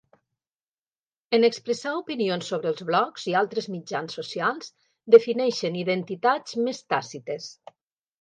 En expressar opinions sobre els blogs i altres mitjans socials, defineixen identitats més tàcites.